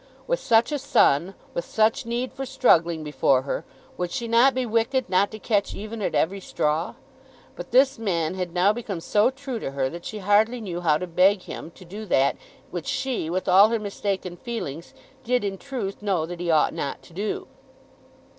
With such a son, with such need for struggling before her, would she not be wicked not to catch even at every straw? But this man had now become so true to her, that she hardly knew how to beg him to do that which she, with all her mistaken feelings, did in truth know that he ought not to do.